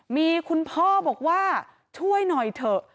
มีคุณพ่อบอกว่าช่วยหน่อยเถอะ